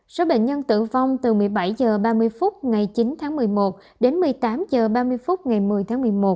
số bệnh nhân tử vong từ một mươi bảy h ba mươi phút ngày chín tháng một mươi một đến một mươi tám h ba mươi phút ngày một mươi tháng một mươi một